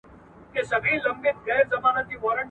د شمعي جنازې ته پروانې دي چي راځي